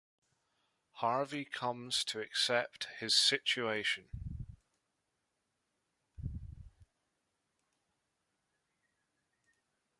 Harvey comes to accept his situation.